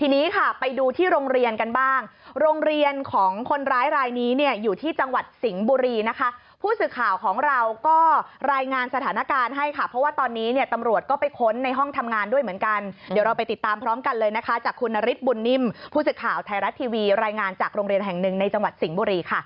นิ่มผู้ศึกข่าวไทยรัตน์ทีวีรายงานจากโรงเรียนแห่งหนึ่งในจังหวัดสิงห์บุรีค่ะ